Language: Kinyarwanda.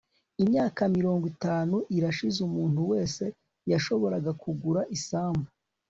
imyaka mirongo itanu irashize umuntu wese yashoboraga kugura isambu